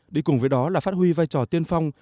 đi cùng với đó là phát huy vai trò tiên phong